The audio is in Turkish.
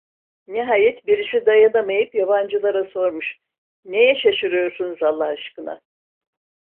Nihayet birisi dayanamayıp yabancılara sormuş: "Neye şaşırıyorsunuz Allah aşkına?"